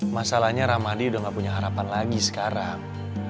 masalahnya ramadi udah gak punya harapan lagi sekarang